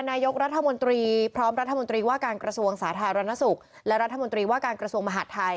นายกรัฐมนตรีพร้อมรัฐมนตรีว่าการกระทรวงสาธารณสุขและรัฐมนตรีว่าการกระทรวงมหาดไทย